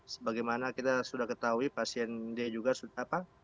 sebagaimana kita sudah ketahui pasien d juga sudah apa